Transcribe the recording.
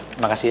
terima kasih ya